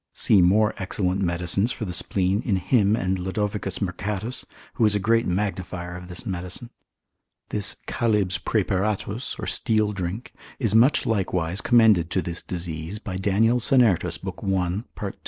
See more excellent medicines for the spleen in him and Lod. Mercatus, who is a great magnifier of this medicine. This Chalybs praeparatus, or steel drink, is much likewise commended to this disease by Daniel Sennertus l. 1. part.